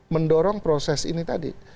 mendorong proses ini tadi